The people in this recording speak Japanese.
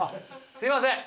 すいません！